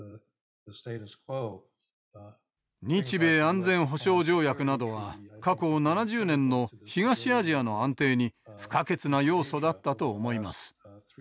日米安全保障条約などは過去７０年の東アジアの安定に不可欠な要素だったと思います。